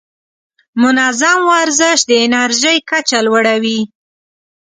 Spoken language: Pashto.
منظم ورزش د انرژۍ کچه لوړه وي.